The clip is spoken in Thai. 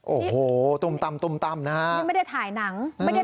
โอ้โหตุมตำตุมตำนี่ไม่ได้ถ่ายหนังอืม